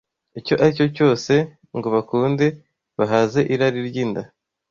icyo aricyo cyose ngo bakunde bahaze irari ry’inda